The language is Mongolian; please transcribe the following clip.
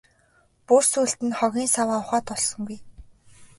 Бүр сүүлд нь хогийн саваа ухаад олсонгүй.